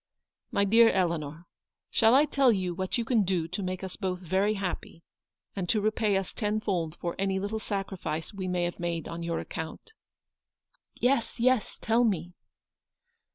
" My dear Eleanor, shall I tell you what you can do to make us both very happy, and to repay us tenfold for any little sacrifice we may have made on your account ?"" Yes, yes ; tell me."